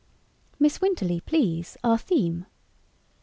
"Miss Winterly, please our theme."